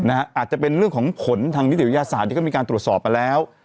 อาจจะเป็นเรื่องของผลทางนิติวิทยาศาสตร์ที่เขามีการตรวจสอบมาแล้ว